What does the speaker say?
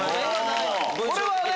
これはね